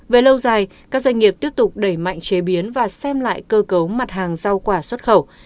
về lâu dài các doanh nghiệp tiếp tục đẩy mạnh chế biến và xem lại cơ cấu mặt hàng rau quả xuất khẩu